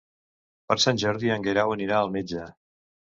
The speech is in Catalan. Per Sant Jordi en Guerau anirà al metge.